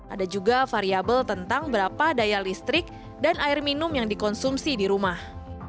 ada juga variable tentang berapa daya listrik dan air minum yang dikonsumsi di rumah